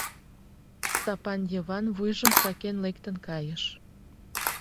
Стапан Йыван вуйжым сакен лектын кайыш.